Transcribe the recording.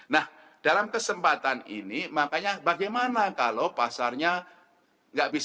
nah dalam kesempatan ini makanya bagaimana kalau pasarnya nggak bisa